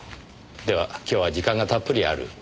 では今日は時間がたっぷりある。